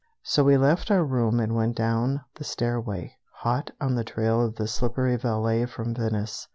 So we left our room and went down the stairway, hot on the trail of the slippery valet from Venice.